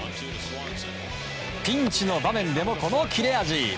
ピンチの場面でもこの切れ味。